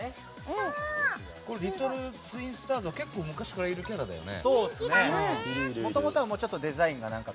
リトルツインスターズは結構昔からいるキャラだよね。